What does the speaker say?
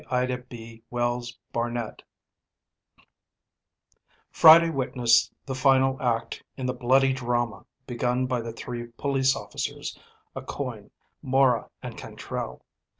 +DEATH OF CHARLES+ Friday witnessed the final act in the bloody drama begun by the three police officers, Aucoin, Mora and Cantrelle.